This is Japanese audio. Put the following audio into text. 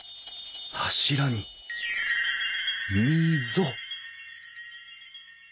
柱に溝！